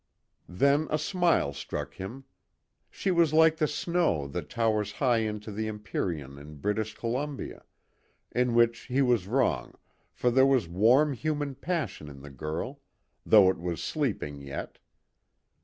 Then a simile struck him: she was like the snow that towers high into the empyrean in British Columbia; in which he was wrong, for there was warm human passion in the girl, though it was sleeping yet.